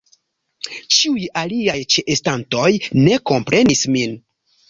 Ĉiuj aliaj ĉeestantoj ne komprenis min.